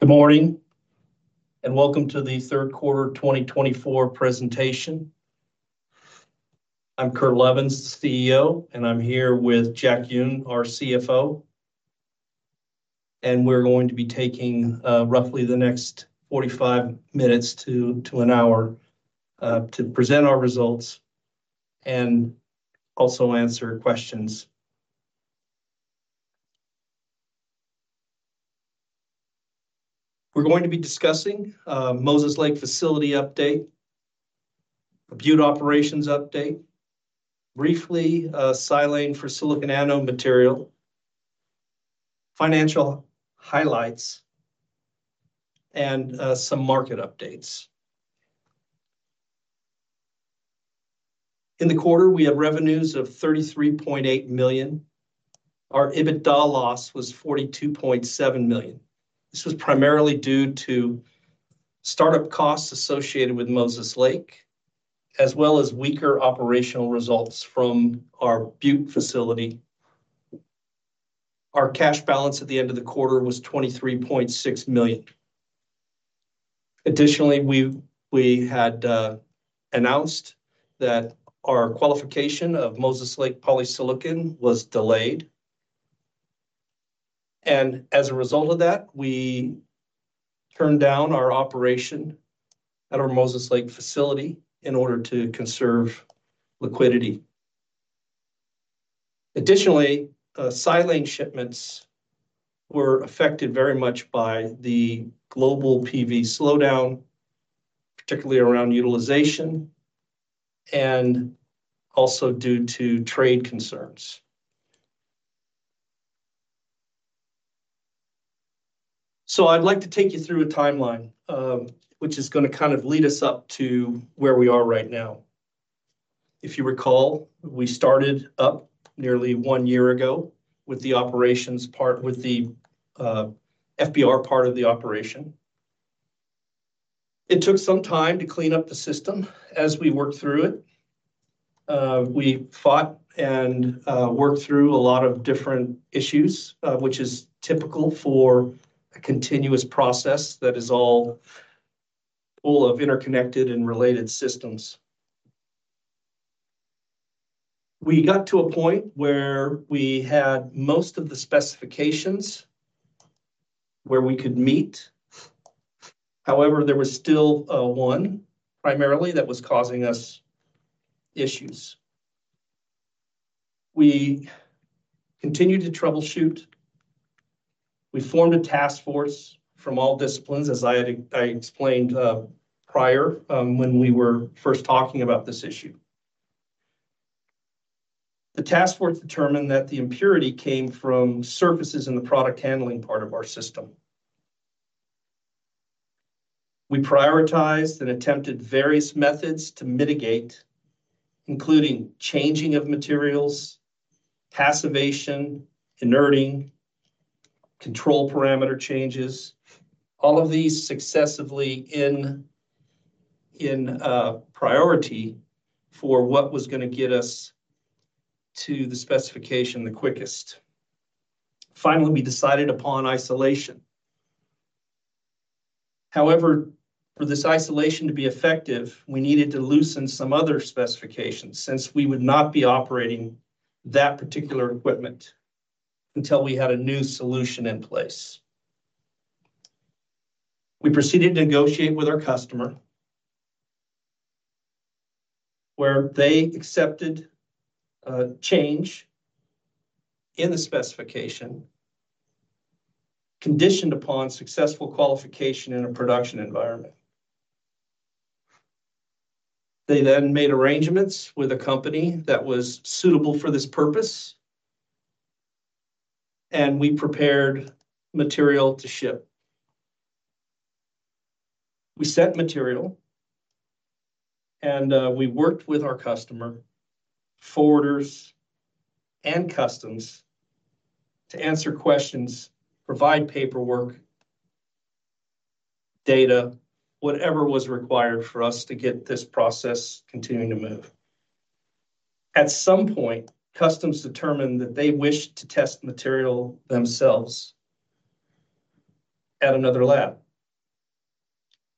Good morning and welcome to the third quarter 2024 presentation. I'm Kurt Levens, CEO, and I'm here with Jack Yun, our CFO. We're going to be taking roughly the next 45 minutes to an hour to present our results and also answer questions. We're going to be discussing Moses Lake facility update, the Butte operations update, briefly silane for silicon anode material, financial highlights, and some market updates. In the quarter, we had revenues of $33.8 million. Our EBITDA loss was $42.7 million. This was primarily due to startup costs associated with Moses Lake, as well as weaker operational results from our Butte facility. Our cash balance at the end of the quarter was $23.6 million. Additionally, we had announced that our qualification of Moses Lake polysilicon was delayed. And as a result of that, we turned down our operation at our Moses Lake facility in order to conserve liquidity. Additionally, silane shipments were affected very much by the global PV slowdown, particularly around utilization, and also due to trade concerns. So I'd like to take you through a timeline, which is going to kind of lead us up to where we are right now. If you recall, we started up nearly one year ago with the operations part, with the FBR part of the operation. It took some time to clean up the system as we worked through it. We fought and worked through a lot of different issues, which is typical for a continuous process that is all full of interconnected and related systems. We got to a point where we had most of the specifications where we could meet. However, there was still one primary that was causing us issues. We continued to troubleshoot. We formed a task force from all disciplines, as I explained prior when we were first talking about this issue. The task force determined that the impurity came from surfaces in the product handling part of our system. We prioritized and attempted various methods to mitigate, including changing of materials, passivation, inerting, control parameter changes, all of these successively in priority for what was going to get us to the specification the quickest. Finally, we decided upon isolation. However, for this isolation to be effective, we needed to loosen some other specifications since we would not be operating that particular equipment until we had a new solution in place. We proceeded to negotiate with our customer, where they accepted a change in the specification conditioned upon successful qualification in a production environment. They then made arrangements with a company that was suitable for this purpose, and we prepared material to ship. We sent material, and we worked with our customer, forwarders, and customs to answer questions, provide paperwork, data, whatever was required for us to get this process continuing to move. At some point, customs determined that they wished to test material themselves at another lab.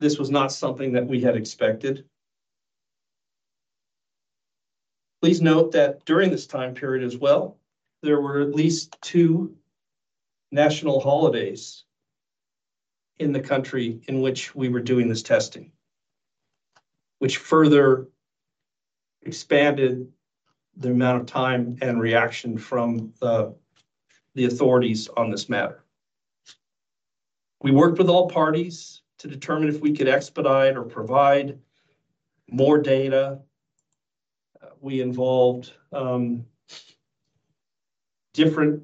This was not something that we had expected. Please note that during this time period as well, there were at least two national holidays in the country in which we were doing this testing, which further expanded the amount of time and reaction from the authorities on this matter. We worked with all parties to determine if we could expedite or provide more data. We involved different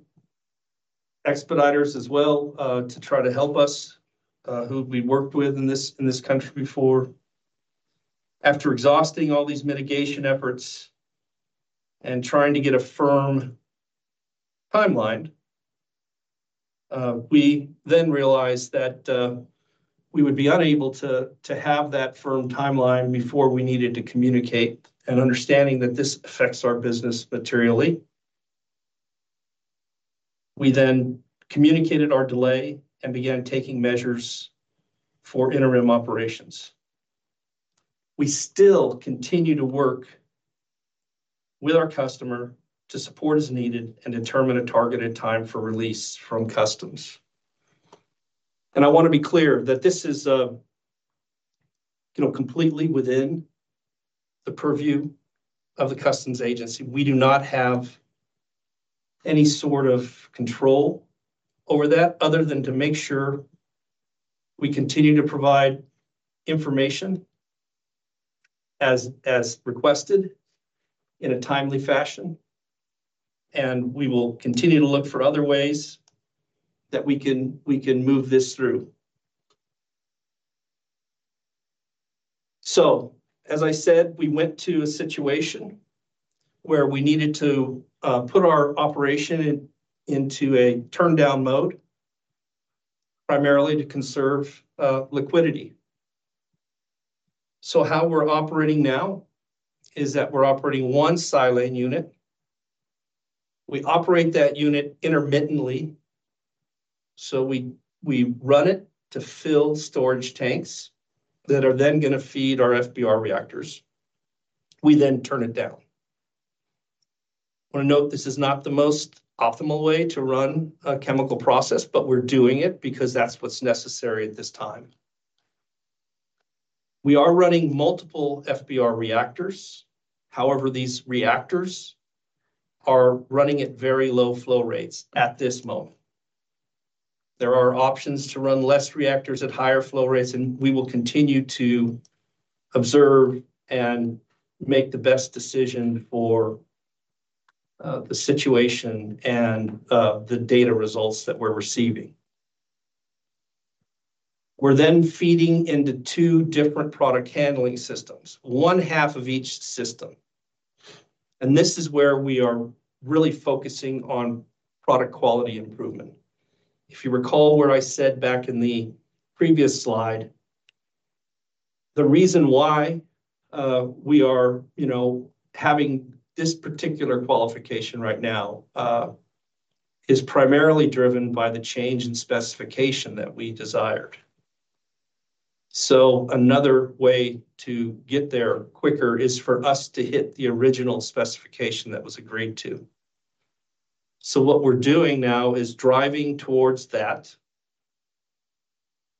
expeditors as well to try to help us, who we worked with in this country before. After exhausting all these mitigation efforts and trying to get a firm timeline, we then realized that we would be unable to have that firm timeline before we needed to communicate an understanding that this affects our business materially. We then communicated our delay and began taking measures for interim operations. We still continue to work with our customer to support as needed and determine a targeted time for release from customs. And I want to be clear that this is completely within the purview of the customs agency. We do not have any sort of control over that other than to make sure we continue to provide information as requested in a timely fashion. And we will continue to look for other ways that we can move this through. So, as I said, we went to a situation where we needed to put our operation into a turndown mode, primarily to conserve liquidity. So how we're operating now is that we're operating one silane unit. We operate that unit intermittently. So we run it to fill storage tanks that are then going to feed our FBR reactors. We then turn it down. I want to note this is not the most optimal way to run a chemical process, but we're doing it because that's what's necessary at this time. We are running multiple FBR reactors. However, these reactors are running at very low flow rates at this moment. There are options to run less reactors at higher flow rates, and we will continue to observe and make the best decision for the situation and the data results that we're receiving. We're then feeding into two different product handling systems, one half of each system, and this is where we are really focusing on product quality improvement. If you recall where I said back in the previous slide, the reason why we are having this particular qualification right now is primarily driven by the change in specification that we desired, so another way to get there quicker is for us to hit the original specification that was agreed to. So what we're doing now is driving towards that,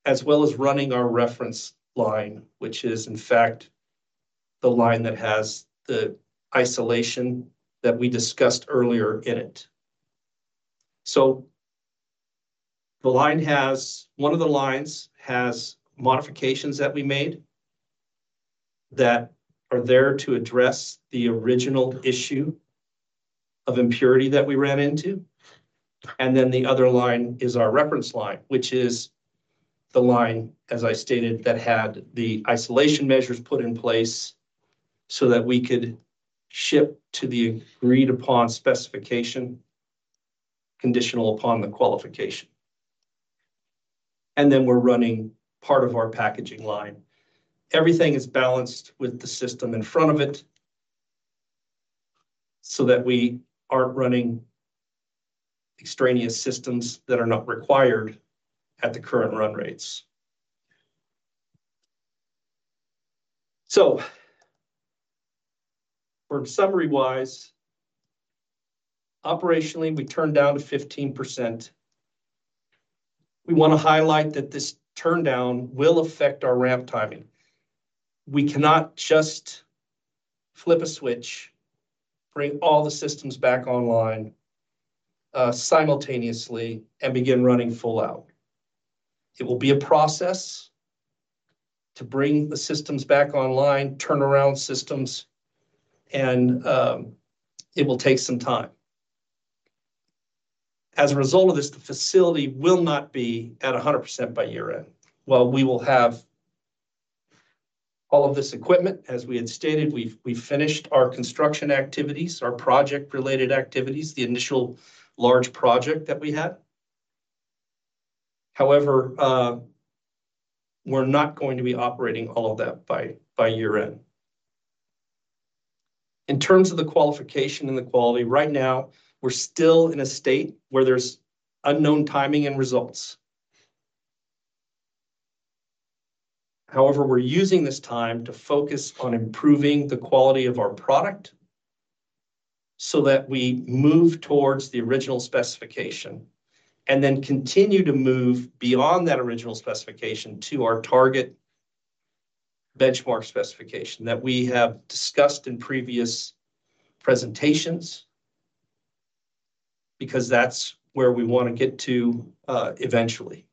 as well as running our reference line, which is, in fact, the line that has the isolation that we discussed earlier in it, so one of the lines has modifications that we made that are there to address the original issue of impurity that we ran into. And then the other line is our reference line, which is the line, as I stated, that had the isolation measures put in place so that we could ship to the agreed-upon specification conditional upon the qualification. And then we're running part of our packaging line. Everything is balanced with the system in front of it so that we aren't running extraneous systems that are not required at the current run rates. So, for summary-wise, operationally, we turned down to 15%. We want to highlight that this turndown will affect our ramp timing. We cannot just flip a switch, bring all the systems back online simultaneously, and begin running full out. It will be a process to bring the systems back online, turn around systems, and it will take some time. As a result of this, the facility will not be at 100% by year-end. While we will have all of this equipment, as we had stated, we've finished our construction activities, our project-related activities, the initial large project that we had. However, we're not going to be operating all of that by year-end. In terms of the qualification and the quality, right now, we're still in a state where there's unknown timing and results. However, we're using this time to focus on improving the quality of our product so that we move towards the original specification and then continue to move beyond that original specification to our target benchmark specification that we have discussed in previous presentations because that's where we want to get to eventually.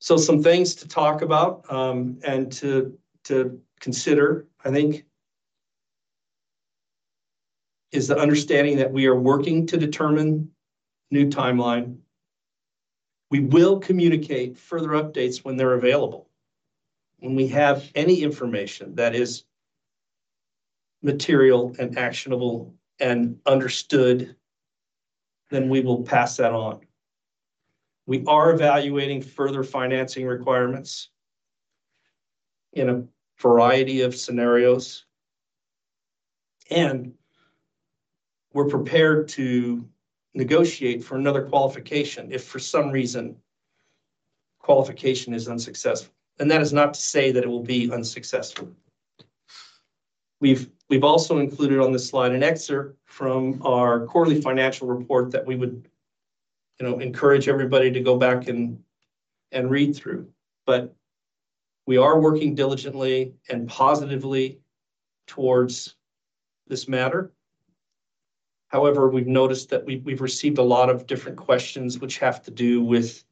So some things to talk about and to consider, I think, is the understanding that we are working to determine new timeline. We will communicate further updates when they're available. When we have any information that is material and actionable and understood, then we will pass that on. We are evaluating further financing requirements in a variety of scenarios, and we're prepared to negotiate for another qualification if, for some reason, qualification is unsuccessful, and that is not to say that it will be unsuccessful. We've also included on this slide an excerpt from our quarterly financial report that we would encourage everybody to go back and read through, but we are working diligently and positively towards this matter. However, we've noticed that we've received a lot of different questions which have to do with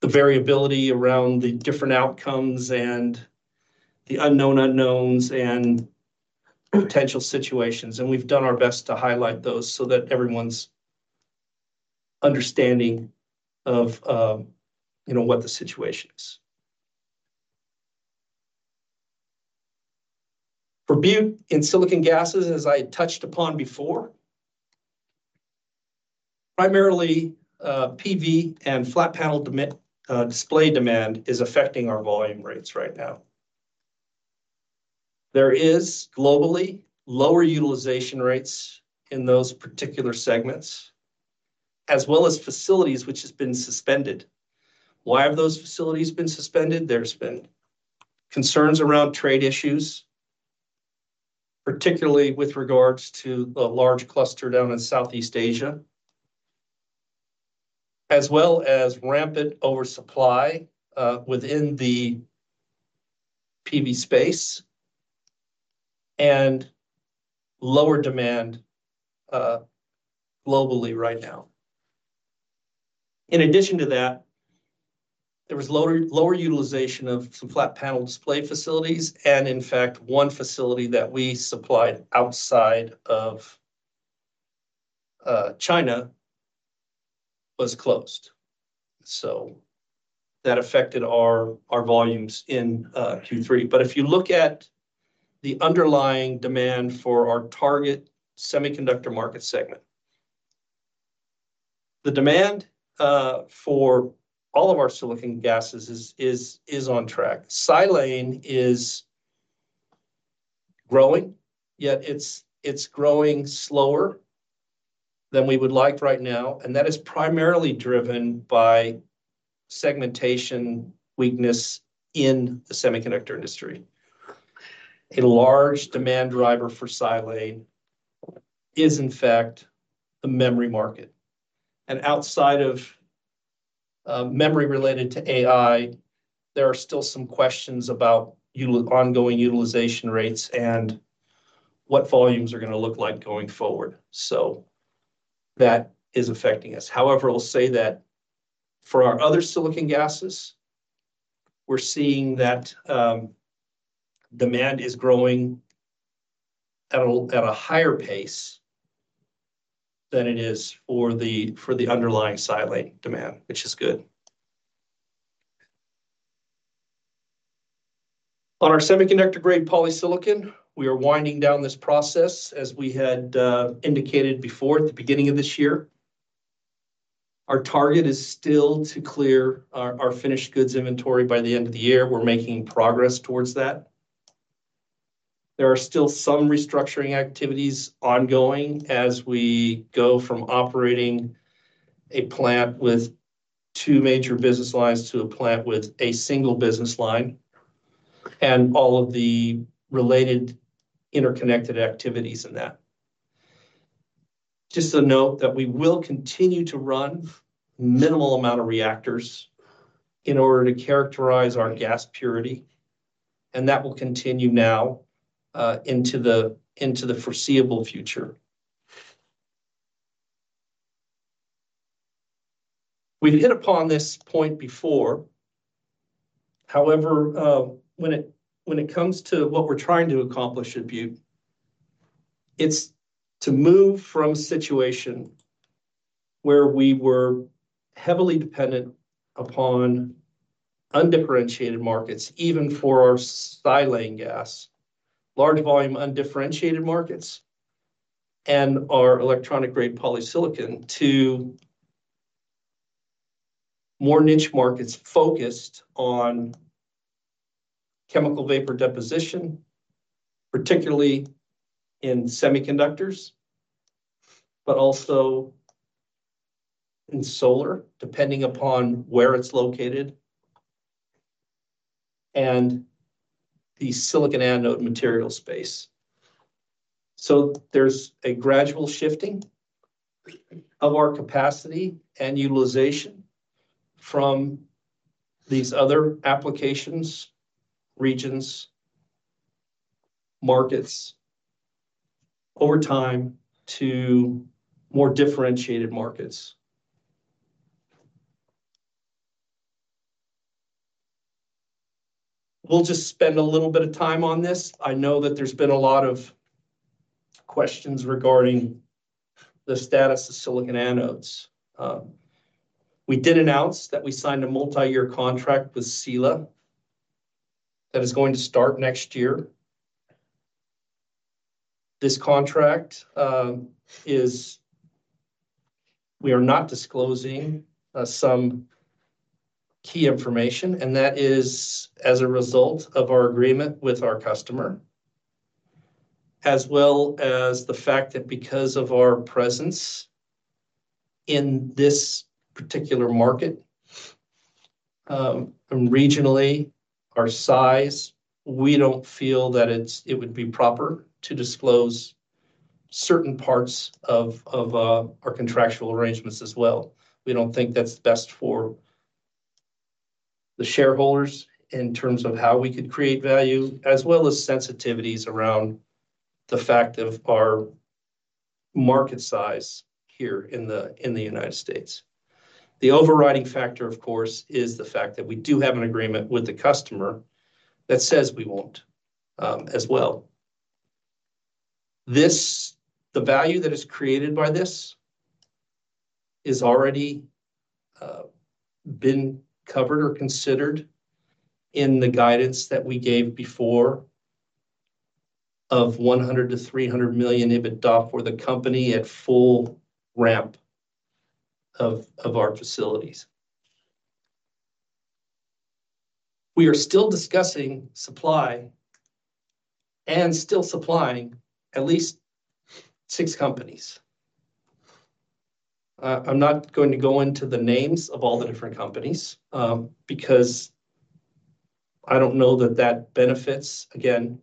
the variability around the different outcomes and the unknown unknowns and potential situations, and we've done our best to highlight those so that everyone's understanding of what the situation is. For Butte and silicon gases, as I touched upon before, primarily PV and flat panel display demand is affecting our volume rates right now. There is globally lower utilization rates in those particular segments, as well as facilities which have been suspended. Why have those facilities been suspended? There's been concerns around trade issues, particularly with regards to the large cluster down in Southeast Asia, as well as rampant oversupply within the PV space and lower demand globally right now. In addition to that, there was lower utilization of some flat panel display facilities. And, in fact, one facility that we supplied outside of China was closed. So that affected our volumes in Q3. But if you look at the underlying demand for our target semiconductor market segment, the demand for all of our silicon gases is on track. silane is growing, yet it's growing slower than we would like right now, and that is primarily driven by segmentation weakness in the semiconductor industry. A large demand driver for silane is, in fact, the memory market, and outside of memory related to AI, there are still some questions about ongoing utilization rates and what volumes are going to look like going forward, so that is affecting us. However, I'll say that for our other silicon gases, we're seeing that demand is growing at a higher pace than it is for the underlying silane demand, which is good. On our semiconductor-grade polysilicon, we are winding down this process, as we had indicated before at the beginning of this year. Our target is still to clear our finished goods inventory by the end of the year. We're making progress towards that. There are still some restructuring activities ongoing as we go from operating a plant with two major business lines to a plant with a single business line and all of the related interconnected activities in that. Just a note that we will continue to run minimal amount of reactors in order to characterize our gas purity. And that will continue now into the foreseeable future. We've hit upon this point before. However, when it comes to what we're trying to accomplish at Butte, it's to move from a situation where we were heavily dependent upon undifferentiated markets, even for our silane gas, large volume undifferentiated markets, and our electronic-grade polysilicon, to more niche markets focused on chemical vapor deposition, particularly in semiconductors, but also in solar, depending upon where it's located, and the silicon anode material space. So there's a gradual shifting of our capacity and utilization from these other applications, regions, markets, over time to more differentiated markets. We'll just spend a little bit of time on this. I know that there's been a lot of questions regarding the status of silicon anodes. We did announce that we signed a multi-year contract with Sila that is going to start next year. This contract, we are not disclosing some key information, and that is as a result of our agreement with our customer, as well as the fact that because of our presence in this particular market, regionally, our size, we don't feel that it would be proper to disclose certain parts of our contractual arrangements as well. We don't think that's best for the shareholders in terms of how we could create value, as well as sensitivities around the fact of our market size here in the United States. The overriding factor, of course, is the fact that we do have an agreement with the customer that says we won't as well. The value that is created by this has already been covered or considered in the guidance that we gave before of $100 million-$300 million EBITDA for the company at full ramp of our facilities. We are still discussing supply and still supplying at least six companies. I'm not going to go into the names of all the different companies because I don't know that that benefits, again,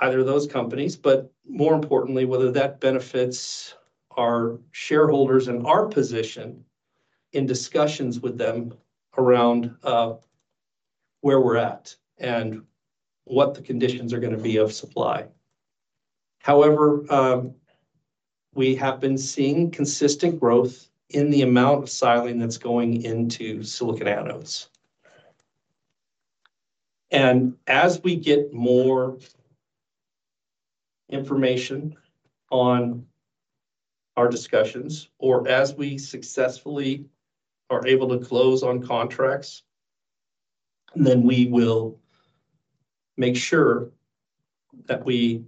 either of those companies. But more importantly, whether that benefits our shareholders and our position in discussions with them around where we're at and what the conditions are going to be of supply. However, we have been seeing consistent growth in the amount of silane that's going into silicon anodes. And as we get more information on our discussions or as we successfully are able to close on contracts, then we will make sure that we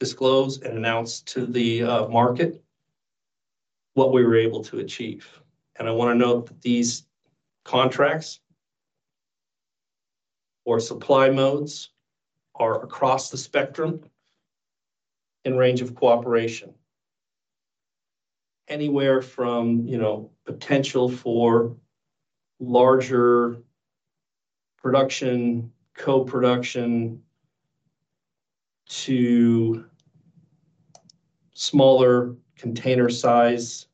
disclose and announce to the market what we were able to achieve. And I want to note that these contracts or supply modes are across the spectrum in range of cooperation, anywhere from potential for larger production, co-production, to smaller container size,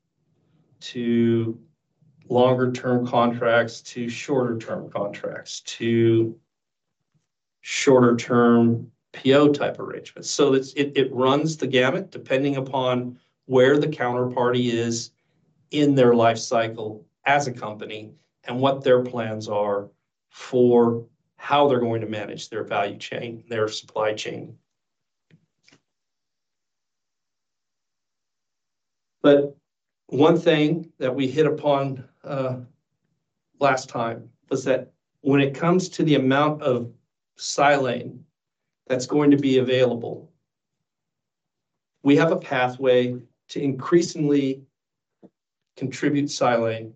to longer-term contracts, to shorter-term contracts, to shorter-term PO type arrangements. So it runs the gamut depending upon where the counterparty is in their life cycle as a company and what their plans are for how they're going to manage their value chain, their supply chain. But one thing that we hit upon last time was that when it comes to the amount of silane that's going to be available, we have a pathway to increasingly contribute silane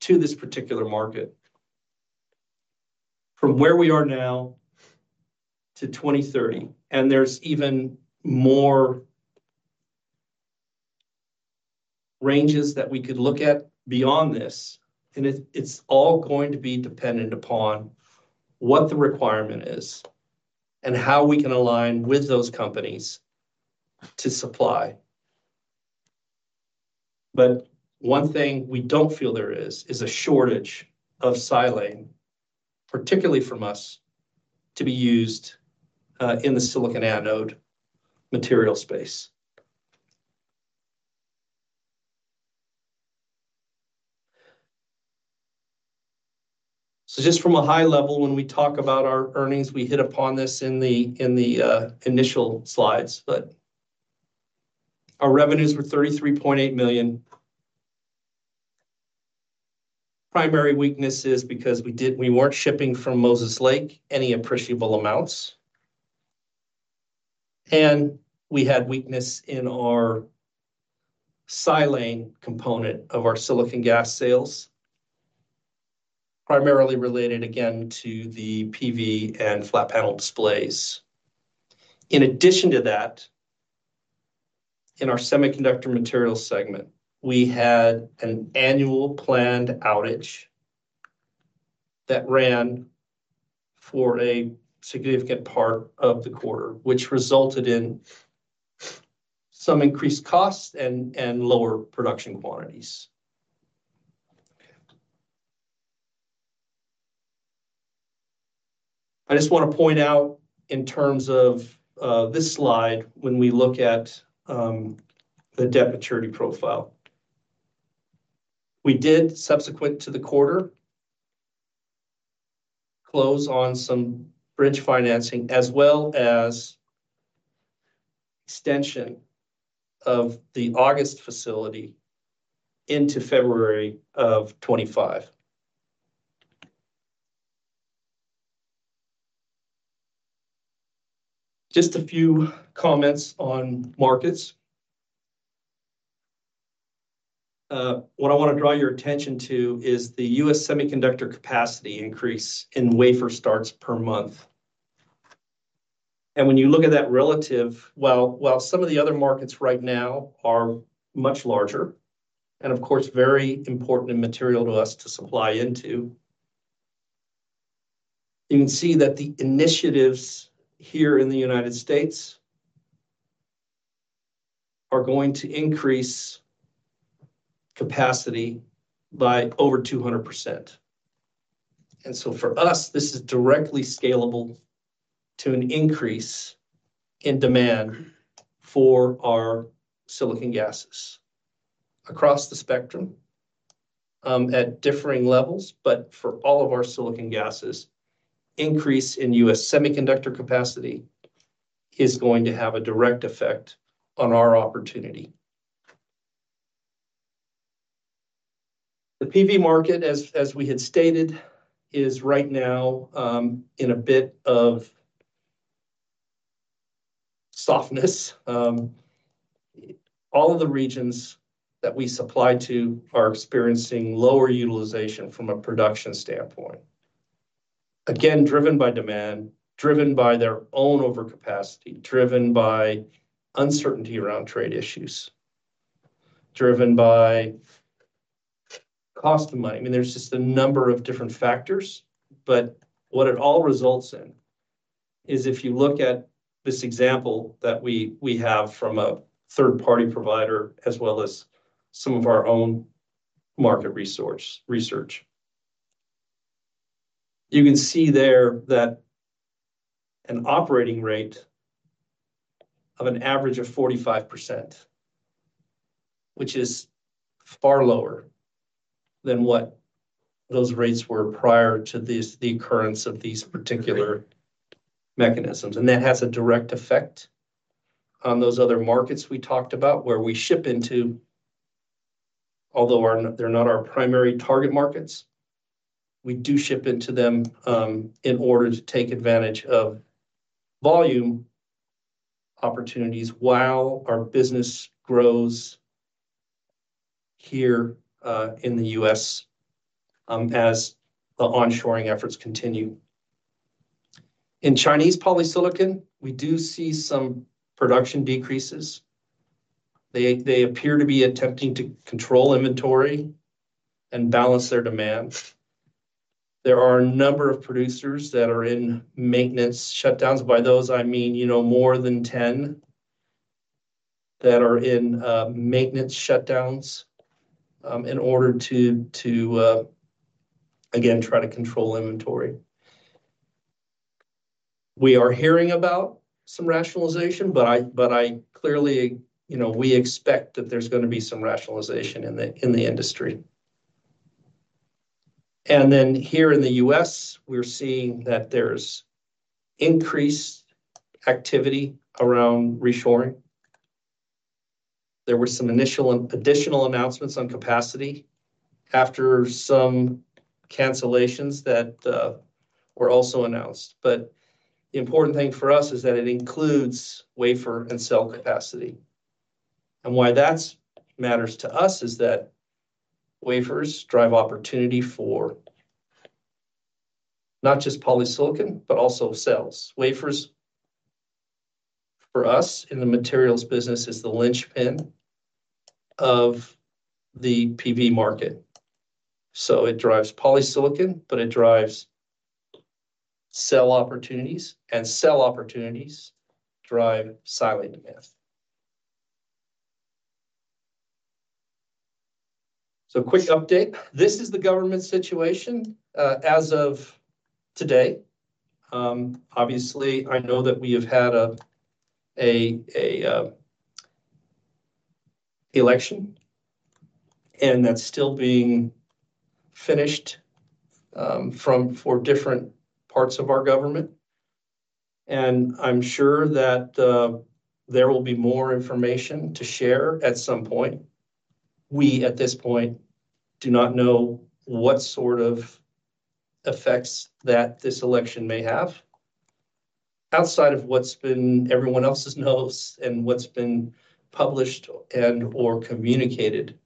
to this particular market from where we are now to 2030. And there's even more ranges that we could look at beyond this. And it's all going to be dependent upon what the requirement is and how we can align with those companies to supply. But one thing we don't feel there is a shortage of silane, particularly from us, to be used in the silicon anode material space. So just from a high level, when we talk about our earnings, we hit upon this in the initial slides. But our revenues were $33.8 million. Primary weakness is because we weren't shipping from Moses Lake any appreciable amounts. And we had weakness in our silane component of our silicon gas sales, primarily related, again, to the PV and flat panel displays. In addition to that, in our semiconductor materials segment, we had an annual planned outage that ran for a significant part of the quarter, which resulted in some increased costs and lower production quantities. I just want to point out in terms of this slide, when we look at the debt maturity profile, we did, subsequent to the quarter, close on some bridge financing, as well as extension of the August facility into February of 2025. Just a few comments on markets. What I want to draw your attention to is the U.S. semiconductor capacity increase in wafer starts per month. And when you look at that relative, while some of the other markets right now are much larger and, of course, very important and material to us to supply into, you can see that the initiatives here in the United States are going to increase capacity by over 200%. And so for us, this is directly scalable to an increase in demand for our silicon gases across the spectrum at differing levels. But for all of our silicon gases, increase in U.S. semiconductor capacity is going to have a direct effect on our opportunity. The PV market, as we had stated, is right now in a bit of softness. All of the regions that we supply to are experiencing lower utilization from a production standpoint, again, driven by demand, driven by their own overcapacity, driven by uncertainty around trade issues, driven by cost of money. I mean, there's just a number of different factors. But what it all results in is if you look at this example that we have from a third-party provider as well as some of our own market research. You can see there that an operating rate of an average of 45%, which is far lower than what those rates were prior to the occurrence of these particular mechanisms. And that has a direct effect on those other markets we talked about where we ship into. Although they're not our primary target markets, we do ship into them in order to take advantage of volume opportunities while our business grows here in the U.S. as the onshoring efforts continue. In Chinese polysilicon, we do see some production decreases. They appear to be attempting to control inventory and balance their demand. There are a number of producers that are in maintenance shutdowns. By those, I mean more than 10 that are in maintenance shutdowns in order to, again, try to control inventory. We are hearing about some rationalization, but clearly, we expect that there's going to be some rationalization in the industry. And then here in the U.S., we're seeing that there's increased activity around reshoring. There were some additional announcements on capacity after some cancellations that were also announced. But the important thing for us is that it includes wafer and cell capacity. And why that matters to us is that wafers drive opportunity for not just polysilicon, but also cells. Wafers, for us in the materials business, is the linchpin of the PV market. So it drives polysilicon, but it drives cell opportunities, and cell opportunities drive silane demand. So quick update. This is the government situation as of today. Obviously, I know that we have had an election, and that's still being finished for different parts of our government. And I'm sure that there will be more information to share at some point. We, at this point, do not know what sort of effects that this election may have outside of what's been everyone else's notes and what's been published and/or communicated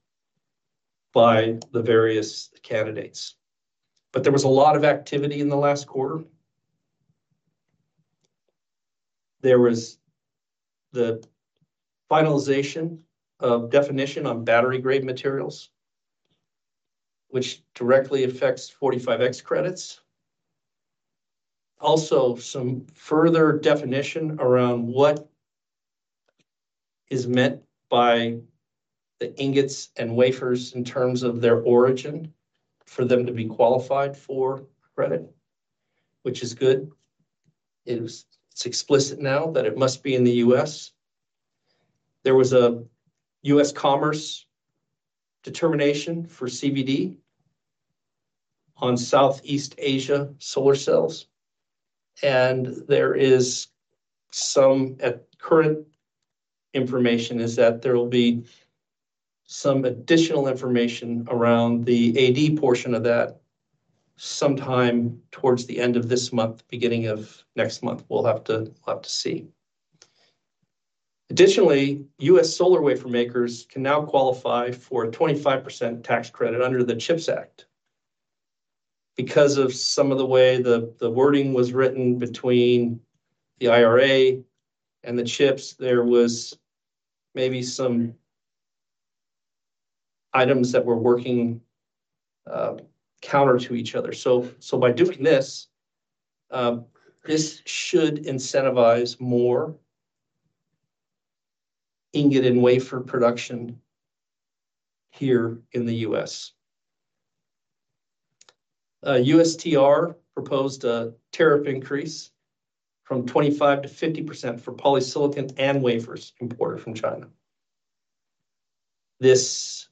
by the various candidates. But there was a lot of activity in the last quarter. There was the finalization of definition on battery-grade materials, which directly affects 45X credits. Also, some further definition around what is meant by the ingots and wafers in terms of their origin for them to be qualified for credit, which is good. It's explicit now that it must be in the U.S. There was a U.S. Commerce determination for CVD on Southeast Asia Solar Cells, and there is some current information that there will be some additional information around the AD portion of that sometime towards the end of this month, beginning of next month. We'll have to see. Additionally, U.S. solar wafer makers can now qualify for a 25% tax credit under the CHIPS Act. Because of some of the way the wording was written between the IRA and the CHIPS, there was maybe some items that were working counter to each other, so by doing this, this should incentivize more ingot and wafer production here in the U.S. USTR proposed a tariff increase from 25% to 50% for polysilicon and wafers imported from China. This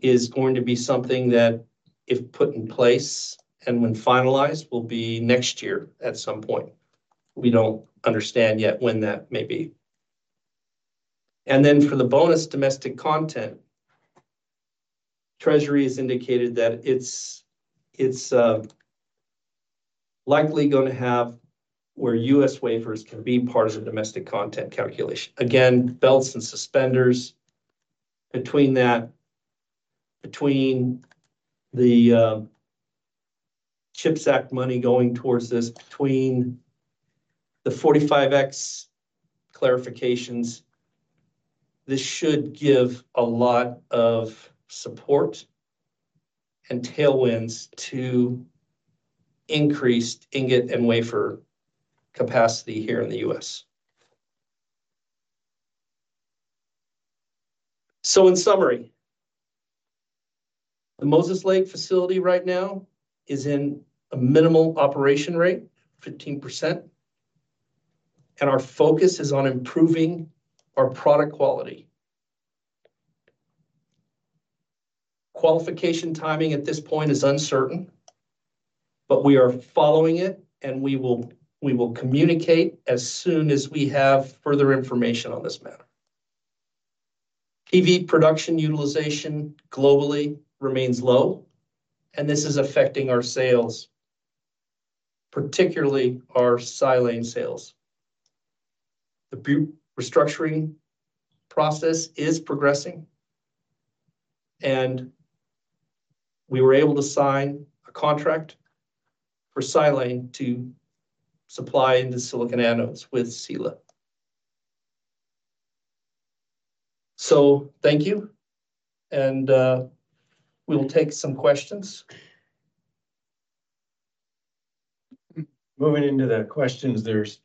is going to be something that, if put in place and when finalized, will be next year at some point. We don't understand yet when that may be. And then for the bonus domestic content, Treasury has indicated that it's likely going to have where U.S. wafers can be part of the domestic content calculation. Again, belts and suspenders. Between the CHIPS Act money going towards this, between the 45X clarifications, this should give a lot of support and tailwinds to increased ingot and wafer capacity here in the U.S. So in summary, the Moses Lake facility right now is in a minimal operation rate, 15%. And our focus is on improving our product quality. Qualification timing at this point is uncertain, but we are following it, and we will communicate as soon as we have further information on this matter. PV production utilization globally remains low, and this is affecting our sales, particularly our silane sales. The restructuring process is progressing, and we were able to sign a contract for silane to supply into silicon anodes with Sila. So thank you. And we'll take some questions. Moving into the questions, there's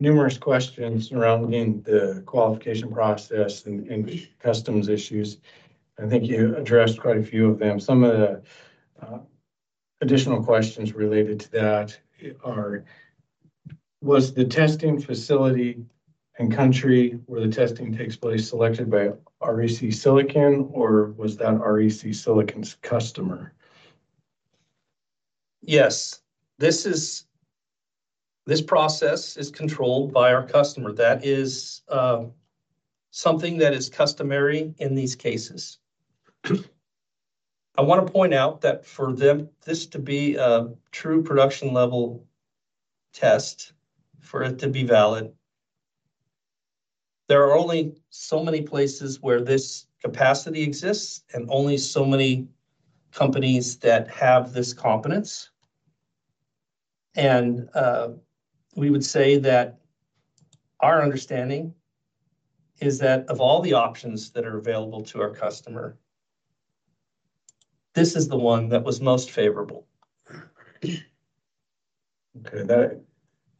numerous questions surrounding the qualification process and customs issues. I think you addressed quite a few of them. Some of the additional questions related to that are, was the testing facility and country where the testing takes place selected by REC Silicon, or was that REC Silicon's customer? Yes. This process is controlled by our customer. That is something that is customary in these cases. I want to point out that for this to be a true production-level test, for it to be valid, there are only so many places where this capacity exists and only so many companies that have this competence. And we would say that our understanding is that of all the options that are available to our customer, this is the one that was most favorable. Okay.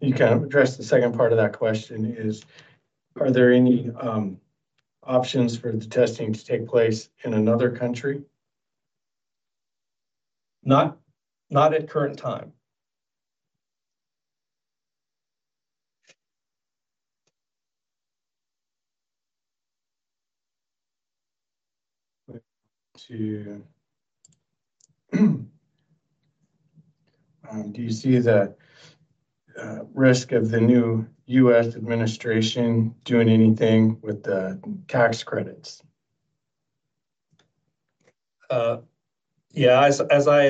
You kind of addressed the second part of that question. Are there any options for the testing to take place in another country? Not at current time. Do you see the risk of the new U.S. administration doing anything with the tax credits? Yeah. As I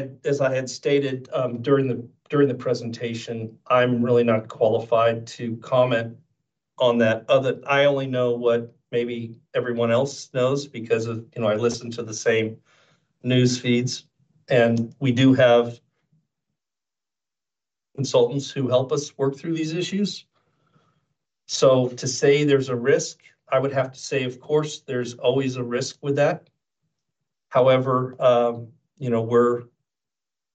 had stated during the presentation, I'm really not qualified to comment on that. I only know what maybe everyone else knows because I listen to the same newsfeeds. We do have consultants who help us work through these issues. So to say there's a risk, I would have to say, of course, there's always a risk with that. However, we're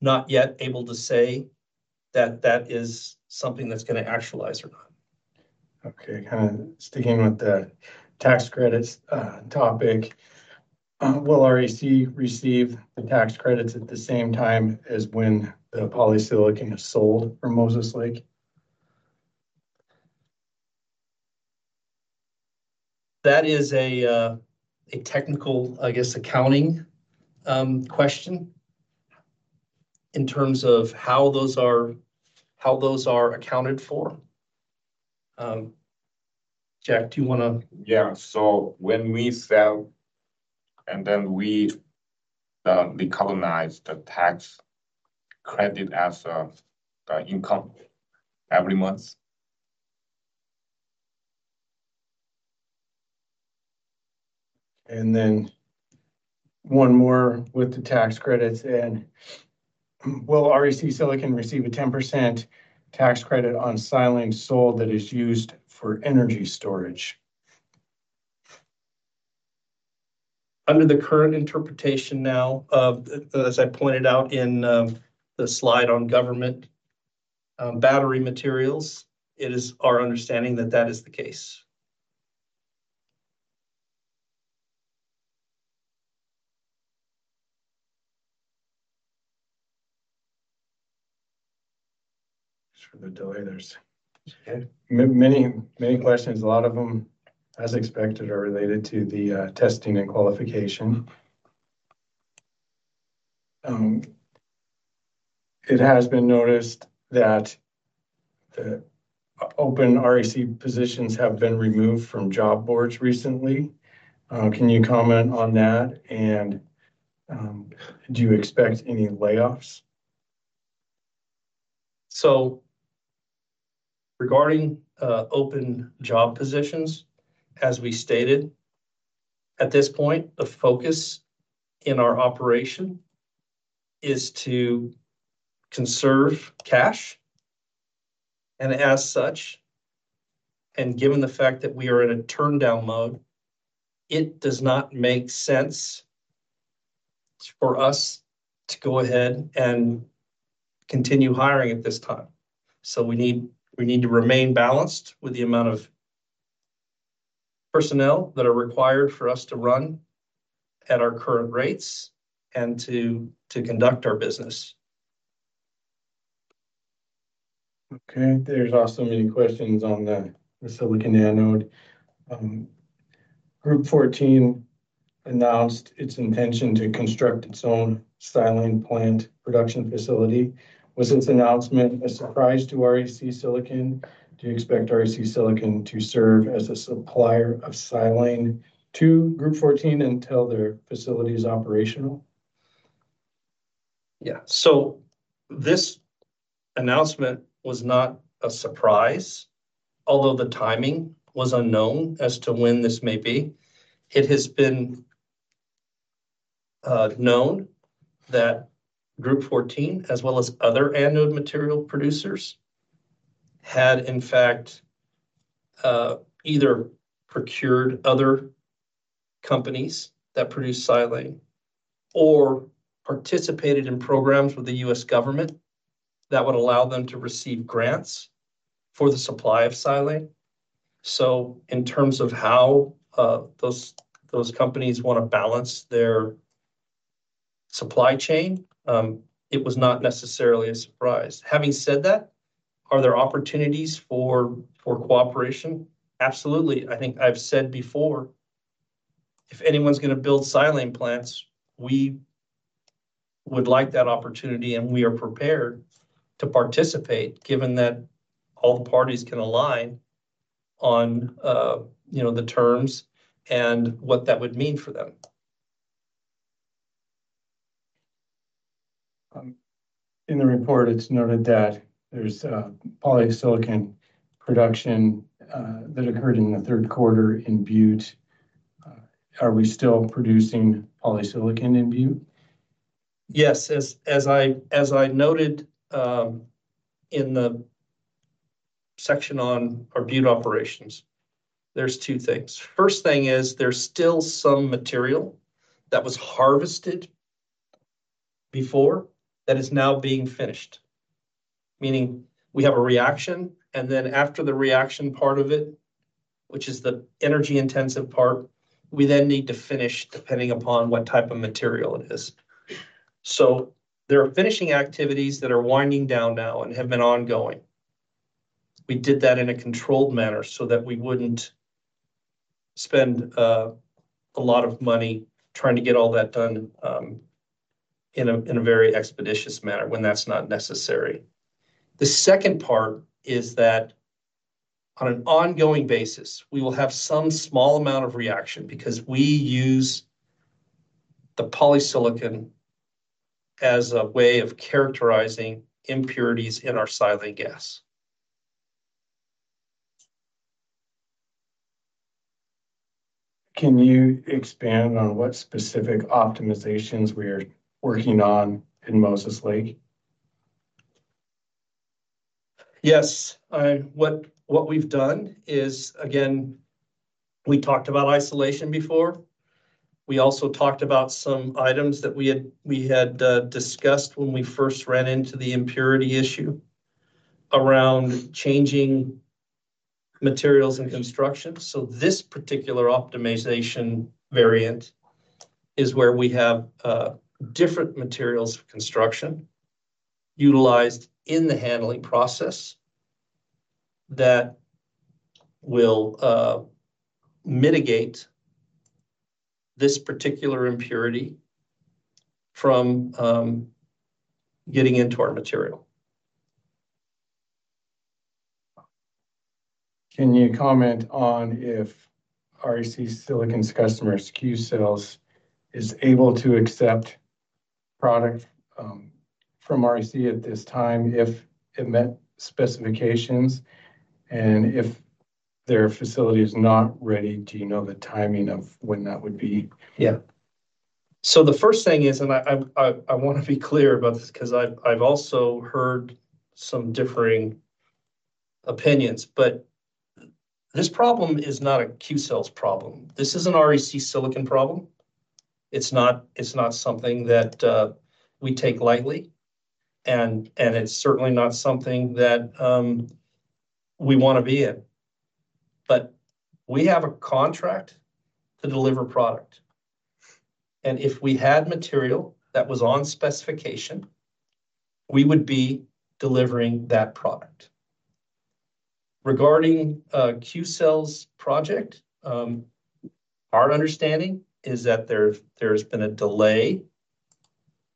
not yet able to say that that is something that's going to materialize or not. Okay. Kind of sticking with the tax credits topic, will REC receive the tax credits at the same time as when the polysilicon is sold from Moses Lake? That is a technical, I guess, accounting question in terms of how those are accounted for. Jack, do you want to? Yeah. So when we sell and then we recognize the tax credit as an income every month. Then one more with the tax credits. Will REC Silicon receive a 10% tax credit on silane sold that is used for energy storage? Under the current interpretation now, as I pointed out in the slide on government battery materials, it is our understanding that that is the case. So we go to others. There's many questions. A lot of them, as expected, are related to the testing and qualification. It has been noticed that the open REC positions have been removed from job boards recently. Can you comment on that, and do you expect any layoffs? So regarding open job positions, as we stated, at this point, the focus in our operation is to conserve cash, and as such, and given the fact that we are in a turndown mode, it does not make sense for us to go ahead and continue hiring at this time, so we need to remain balanced with the amount of personnel that are required for us to run at our current rates and to conduct our business. Okay. There's also many questions on the silicon anode. Group14 announced its intention to construct its own silane plant production facility. Was this announcement a surprise to REC Silicon? Do you expect REC Silicon to serve as a supplier of silane to Group14 until their facility is operational? Yeah. So this announcement was not a surprise, although the timing was unknown as to when this may be. It has been known that Group14, as well as other anode material producers, had, in fact, either procured other companies that produce silane or participated in programs with the U.S. government that would allow them to receive grants for the supply of silane. So in terms of how those companies want to balance their supply chain, it was not necessarily a surprise. Having said that, are there opportunities for cooperation? Absolutely. I think I've said before, if anyone's going to build silane plants, we would like that opportunity, and we are prepared to participate given that all the parties can align on the terms and what that would mean for them. In the report, it's noted that there's polysilicon production that occurred in the third quarter in Butte. Are we still producing polysilicon in Butte? Yes. As I noted in the section on our Butte operations, there's two things. First thing is there's still some material that was harvested before that is now being finished, meaning we have a reaction. And then after the reaction part of it, which is the energy-intensive part, we then need to finish depending upon what type of material it is. So there are finishing activities that are winding down now and have been ongoing. We did that in a controlled manner so that we wouldn't spend a lot of money trying to get all that done in a very expeditious manner when that's not necessary. The second part is that on an ongoing basis, we will have some small amount of reaction because we use the polysilicon as a way of characterizing impurities in our silane gas. Can you expand on what specific optimizations we are working on in Moses Lake? Yes. What we've done is, again, we talked about isolation before. We also talked about some items that we had discussed when we first ran into the impurity issue around changing materials and construction. So this particular optimization variant is where we have different materials of construction utilized in the handling process that will mitigate this particular impurity from getting into our material. Can you comment on if REC Silicon's customer, Qcells, is able to accept product from REC at this time if it met specifications? And if their facility is not ready, do you know the timing of when that would be? Yeah. So the first thing is, and I want to be clear about this because I've also heard some differing opinions, but this problem is not a Qcells problem. This is an REC Silicon problem. It's not something that we take lightly, and it's certainly not something that we want to be in. But we have a contract to deliver product. And if we had material that was on specification, we would be delivering that product. Regarding Qcells' project, our understanding is that there's been a delay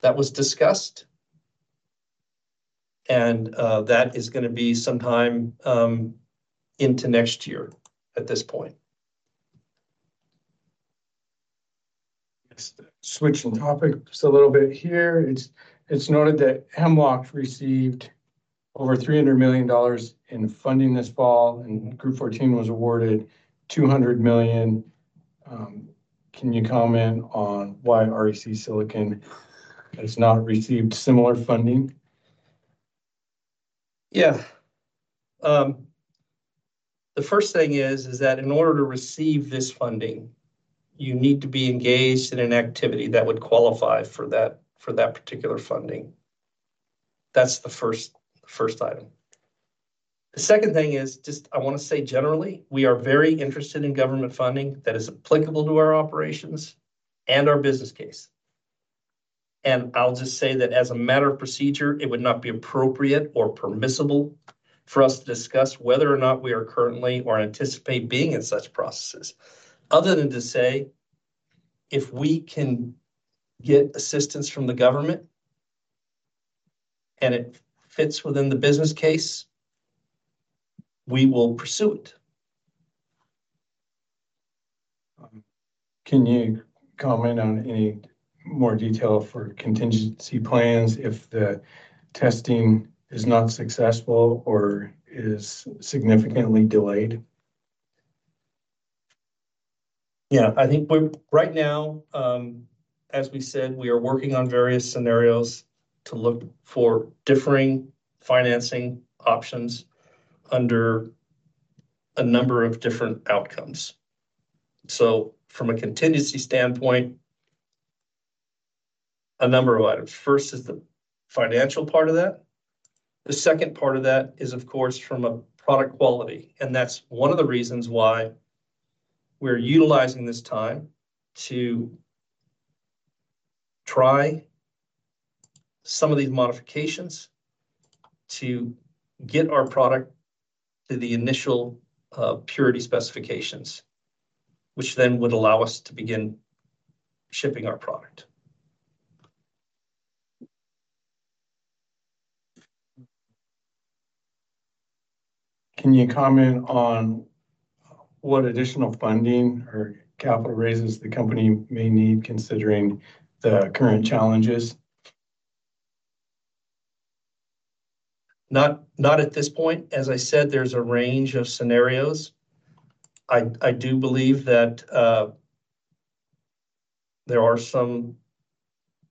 that was discussed, and that is going to be sometime into next year at this point. Switching topics a little bit here. It's noted that Hemlock received over $300 million in funding this fall, and Group14 was awarded $200 million. Can you comment on why REC Silicon has not received similar funding? Yeah. The first thing is that in order to receive this funding, you need to be engaged in an activity that would qualify for that particular funding. That's the first item. The second thing is just I want to say generally, we are very interested in government funding that is applicable to our operations and our business case. I'll just say that as a matter of procedure, it would not be appropriate or permissible for us to discuss whether or not we are currently or anticipate being in such processes. Other than to say, if we can get assistance from the government and it fits within the business case, we will pursue it. Can you comment on any more detail for contingency plans if the testing is not successful or is significantly delayed? Yeah. I think right now, as we said, we are working on various scenarios to look for differing financing options under a number of different outcomes. So from a contingency standpoint, a number of items. First is the financial part of that. The second part of that is, of course, from a product quality. And that's one of the reasons why we're utilizing this time to try some of these modifications to get our product to the initial purity specifications, which then would allow us to begin shipping our product. Can you comment on what additional funding or capital raises the company may need considering the current challenges? Not at this point. As I said, there's a range of scenarios. I do believe that there are some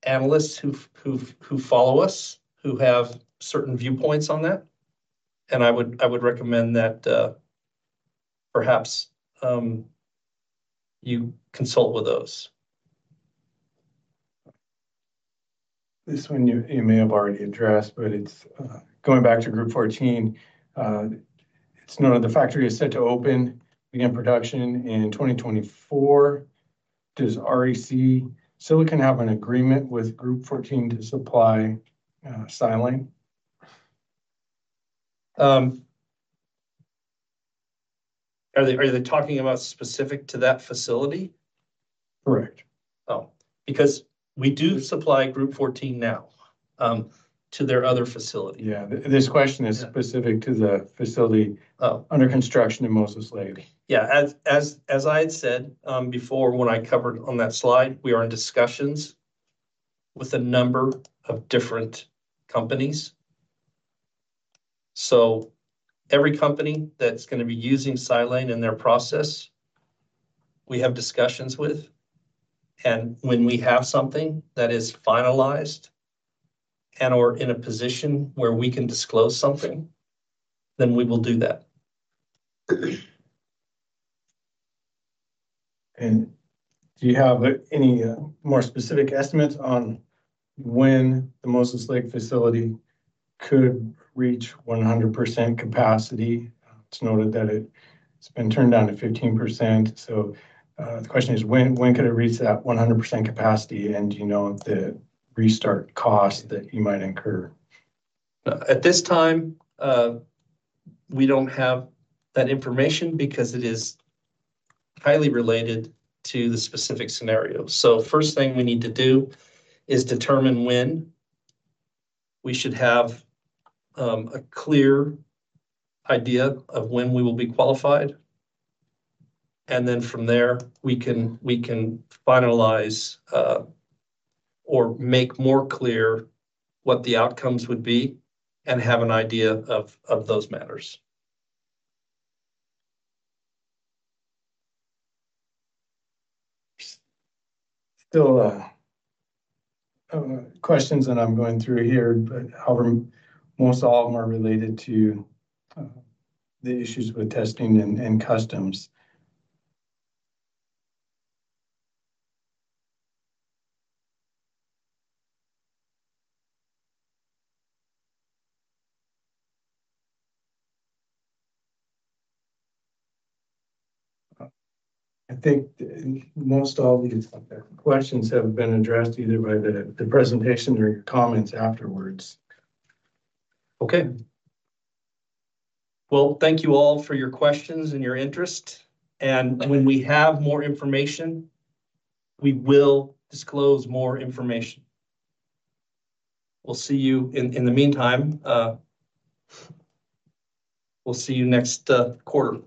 analysts who follow us who have certain viewpoints on that. And I would recommend that perhaps you consult with those. This one you may have already addressed, but it's going back to Group14. It's noted the factory is set to open begin production in 2024. Does REC Silicon have an agreement with Group14 to supply silane? Are they talking about specific to that facility? Correct. Oh, because we do supply Group14 now to their other facility. Yeah. This question is specific to the facility under construction in Moses Lake. Yeah. As I had said before when I covered on that slide, we are in discussions with a number of different companies. So every company that's going to be using silane in their process, we have discussions with. And when we have something that is finalized and/or in a position where we can disclose something, then we will do that. And do you have any more specific estimates on when the Moses Lake facility could reach 100% capacity? It's noted that it's been turned down to 15%. So the question is, when could it reach that 100% capacity? And do you know the restart cost that you might incur? At this time, we don't have that information because it is highly related to the specific scenario. So first thing we need to do is determine when we should have a clear idea of when we will be qualified. And then from there, we can finalize or make more clear what the outcomes would be and have an idea of those matters. Still questions that I'm going through here, but most all of them are related to the issues with testing and customs. I think most all of these questions have been addressed either by the presentation or your comments afterwards. Okay. Well, thank you all for your questions and your interest. And when we have more information, we will disclose more information. We'll see you in the meantime. We'll see you next quarter.